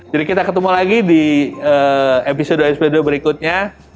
jadi kita ketemu lagi di episode asp dua berikutnya